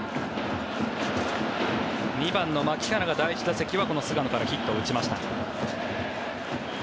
２番の牧原が第１打席はこの菅野からヒットを打ちました。